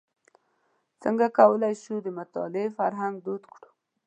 څنګه کولای شو د مطالعې فرهنګ دود کړو.